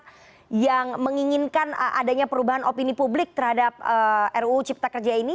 pemerintah yang menginginkan adanya perubahan opini publik terhadap ruu cipta kerja ini